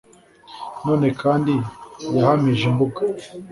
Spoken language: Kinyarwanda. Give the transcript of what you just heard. None kandi yahamije imbuga